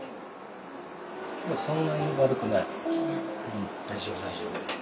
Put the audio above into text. うん大丈夫大丈夫。